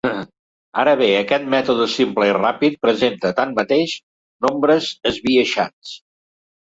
Ara bé, aquest mètode simple i ràpid presenta, tanmateix, nombres esbiaixats.